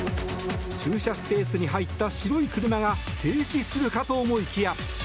駐車スペースに入った白い車が停止するかと思いきや。